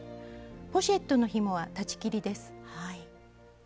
ポシェットのひもは裁ち切りです。